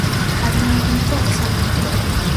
გადმოედინება ორ საფეხურად.